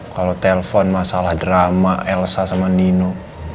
kalau telpon masalah drama elsa sama nino